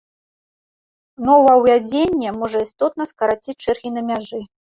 Новаўвядзенне можа істотна скараціць чэргі на мяжы.